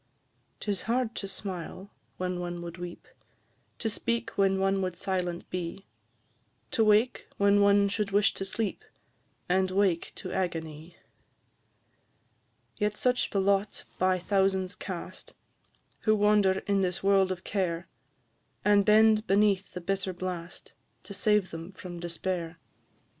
'Tis hard to smile when one would weep, To speak when one would silent be; To wake when one should wish to sleep, And wake to agony. Yet such the lot by thousands cast, Who wander in this world of care, And bend beneath the bitter blast, To save them from despair.